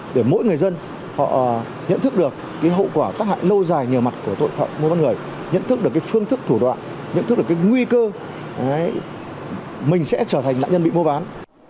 để mỗi người dân họ nhận thức được hậu quả tác hại lâu dài nhờ mặt của tội phạm mua bán người nhận thức được phương thức thủ đoạn nhận thức được cái nguy cơ mình sẽ trở thành nạn nhân bị mua bán